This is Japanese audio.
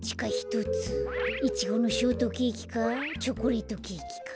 イチゴのショートケーキかチョコレートケーキか。